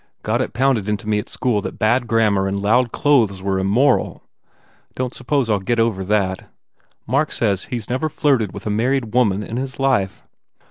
Got it pounded into me at school that bad grammar and loud clothes were immoral. Don t suppose I ll get over that. Mark says he s never flirted with a married woman in his life."